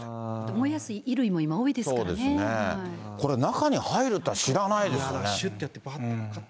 燃えやすい衣類も今、これ、中に入るっていうのは知らないですよね。